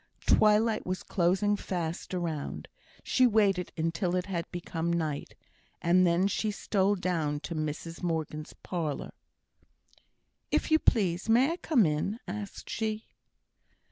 Twilight was closing fast around; she waited until it had become night, and then she stole down to Mrs Morgan's parlour. "If you please, may I come in?" asked she.